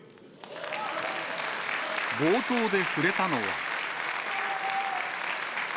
冒頭で触れたのは。